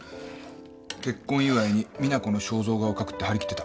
結婚祝いに実那子の肖像画を描くって張り切ってた。